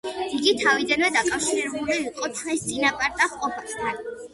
იგი თავიდანვე დაკავშირებული იყო ჩვენს წინაპართა ყოფასთან.